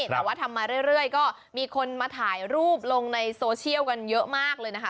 แต่ว่าทำมาเรื่อยก็มีคนมาถ่ายรูปลงในโซเชียลกันเยอะมากเลยนะคะ